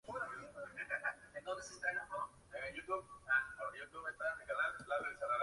Veamos algunas de las estrategias más usadas para mejorar la seguridad de los dispositivos.